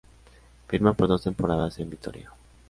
Firma por dos temporadas en Vitoria.